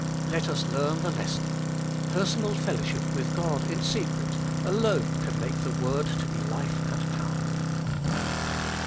Let us learn the lesson: personal fellowship with God in secret alone can make the word to be life and power.